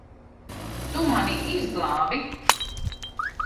Tu mani izglābi.